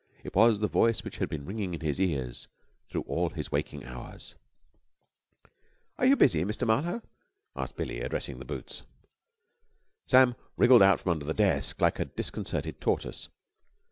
It was the voice which had been ringing in his ears through all his waking hours. "Are you busy, Mr. Marlowe?" asked Billie, addressing the boots. Sam wriggled out from under the desk like a disconcerted tortoise.